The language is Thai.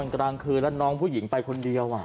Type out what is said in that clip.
กลางคืนแล้วน้องผู้หญิงไปคนเดียว